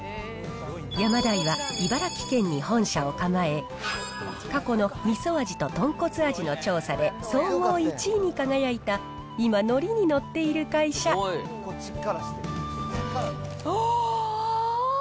ヤマダイは茨城県に本社を構え、過去のみそ味と豚骨味の調査で総合１位に輝いた、今、乗りに乗っあー！